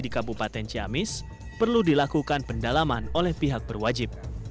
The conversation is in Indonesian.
di kabupaten ciamis perlu dilakukan pendalaman oleh pihak berwajib